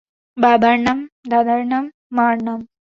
বাবার নাম, দাদার নাম, মার নাম।